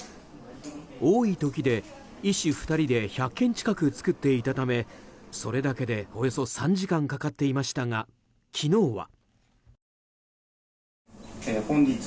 多い時で、医師２人で１００件近く作っていたためそれだけで、およそ３時間かかっていましたが昨日は。